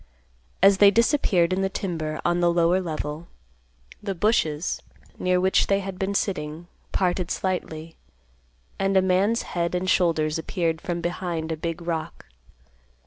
As they disappeared in the timber on the lower level, the bushes, near which they had been sitting, parted silently, and a man's head and shoulders appeared from behind a big rock.